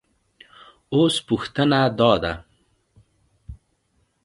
اوس پوښتنه دا ده